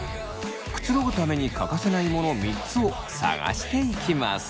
くつろぐために欠かせないモノ３つを探していきます！